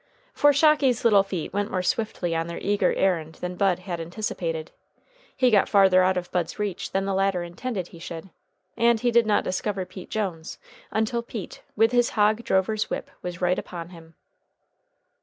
For Shocky's little feet went more swiftly on their eager errand than Bud had anticipated. He got farther out of Bud's reach than the latter intended he should, and he did not discover Pete Jones until Pete, with his hog drover's whip, was right upon him.